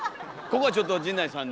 ここはちょっと陣内さんで。